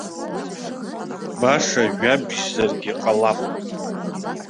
Баша жәабжьзаргьы ҟалап?